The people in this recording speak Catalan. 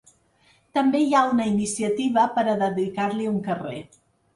També hi ha una iniciativa per a dedicar-li un carrer.